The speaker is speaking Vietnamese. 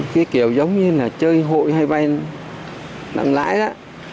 cái kiểu giống như là chơi hội hay vay nằm lãi á